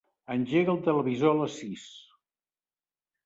Engega el televisor a les sis.